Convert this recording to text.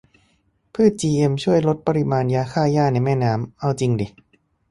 พืชจีเอ็ม ช่วยลดปริมาณยาฆ่าหญ้าในแม่น้ำ ? - เอาจิงดิ